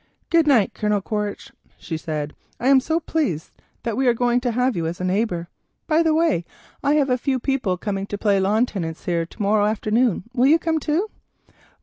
"Good night, Colonel Quaritch," she said; "I am so pleased that we are going to have you as a neighbour. By the way, I have a few people coming to play lawn tennis here to morrow afternoon, will you come too?"